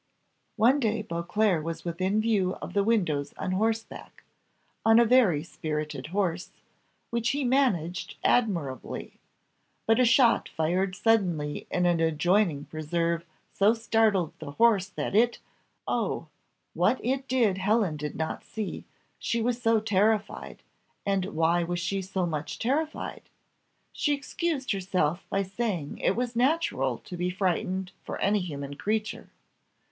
One day Beauclerc was within view of the windows on horseback, on a very spirited horse, which he managed admirably; but a shot fired suddenly in an adjoining preserve so startled the horse that it oh! what it did Helen did not see, she was so terrified: and why was she so much terrified? She excused herself by saying it was natural to be frightened for any human creature.